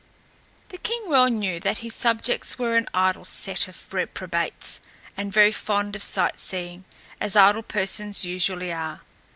The king well knew that his subjects were an idle set of reprobates and very fond of sight seeing, as idle persons usually are.